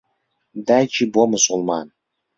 دایکی بووە موسڵمان.